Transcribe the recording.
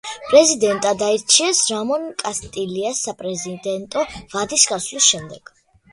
პრეზიდენტად აირჩიეს რამონ კასტილიას საპრეზიდენტო ვადის გასვლის შემდეგ.